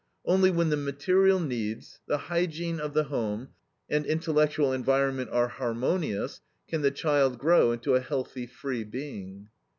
Only when the material needs, the hygiene of the home, and intellectual environment are harmonious, can the child grow into a healthy, free being.